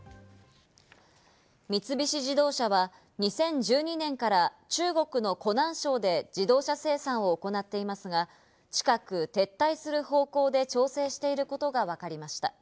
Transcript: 三菱自動車は２０１２年から中国の湖南省で自動車生産を行っていますが、近く撤退する方向で調整していることがわかりました。